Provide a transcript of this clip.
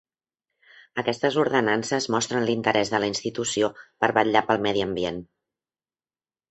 Aquestes ordenances mostren l'interès de la institució per vetllar pel medi ambient.